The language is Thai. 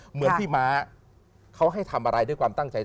เหมือนพี่ม้าเขาให้ทำอะไรด้วยความตั้งใจ